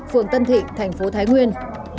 phường tân thị thành phố thái nguyên